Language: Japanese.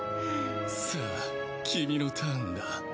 さあ君のターンだ。